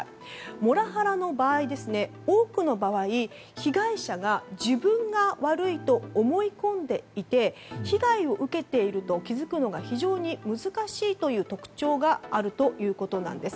モラハラの多くの場合被害者が自分が悪いと思い込んでいて被害を受けていると気づくのが非常に難しいという特徴があるということです。